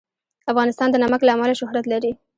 افغانستان د نمک له امله شهرت لري.